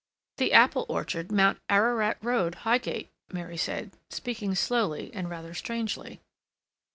"The Apple Orchard, Mount Ararat Road, Highgate," Mary said, speaking slowly and rather strangely.